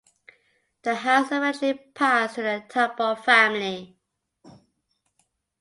The house eventually passed to the Talbot family.